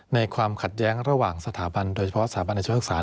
ความขัดแย้งระหว่างสถาบันโดยเฉพาะสถาบันอาชภาษา